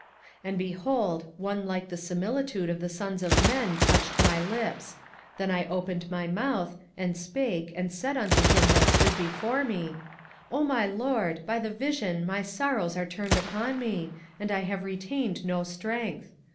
27:010:016 And, behold, one like the similitude of the sons of men touched my lips: then I opened my mouth, and spake, and said unto him that stood before me, O my lord, by the vision my sorrows are turned upon me, and I have retained no strength.